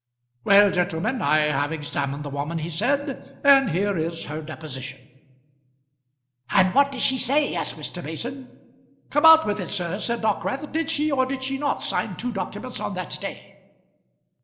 "Well, gentlemen, I have examined the woman," he said, "and here is her deposition." "And what does she say?" asked Mr. Mason. "Come, out with it, sir," said Dockwrath. "Did she, or did she not sign two documents on that day?"